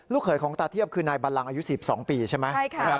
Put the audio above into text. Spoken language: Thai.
เขยของตาเทียบคือนายบัลลังอายุ๑๒ปีใช่ไหม